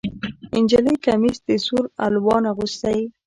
نجلۍ کمیس د سور الوان اغوستی